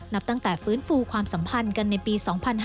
นับตั้งแต่ฟื้นฟูความสัมพันธ์กันในปี๒๕๕๙